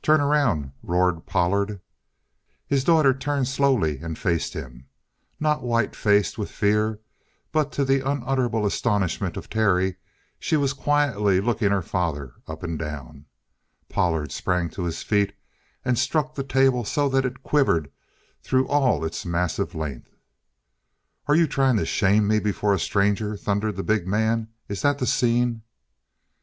"Turn around!" roared Pollard. His daughter turned slowly and faced him. Not white faced with fear, but to the unutterable astonishment of Terry she was quietly looking her father up and down. Pollard sprang to his feet and struck the table so that it quivered through all its massive length. "Are you trying to shame me before a stranger?" thundered the big man. "Is that the scene?"